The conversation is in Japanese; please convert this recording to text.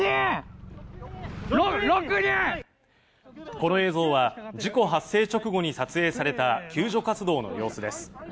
この映像は事故発生直後に撮影された救助活動の様子です。